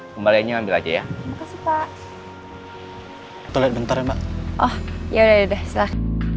kembaliannya ambil aja ya makasih pak